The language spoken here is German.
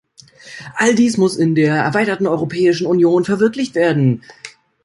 All dies muss in der erweiterten Europäischen Union verwirklicht werden.